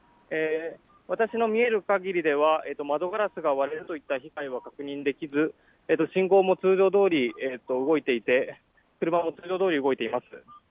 私の見えるかぎりでは窓ガラスが割れるといった被害は確認できず信号も通常どおり動いていて車も通常どおり動いています。